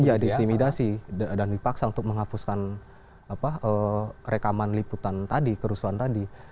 ya di intimidasi dan dipaksa untuk menghapuskan rekaman liputan tadi kerusuhan tadi